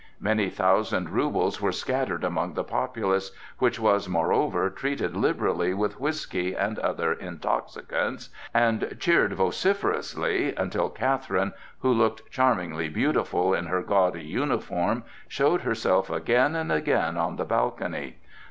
Many thousand roubles were scattered among the populace, which was moreover treated liberally with whiskey and other intoxicants, and cheered vociferously, until Catherine, who looked charmingly beautiful in her gaudy uniform, showed herself again and again on the balcony.